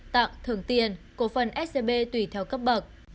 tặng thường tiền cổ phân scb tùy theo cấp bậc